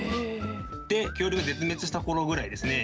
で恐竜が絶滅したころぐらいですね